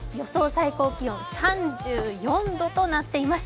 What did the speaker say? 最高気温３４度となっています。